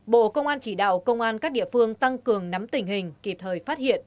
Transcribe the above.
bộ công an chỉ đạo công an các địa phương tăng cường nắm tình hình kịp thời phát hiện